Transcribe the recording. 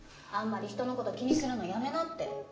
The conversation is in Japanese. あんまり人の事気にするのやめなって。